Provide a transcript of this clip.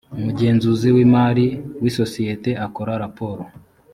umugenzuzi w imari w isosiyete akora raporo